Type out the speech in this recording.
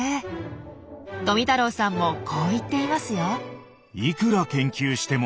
富太郎さんもこう言っていますよ。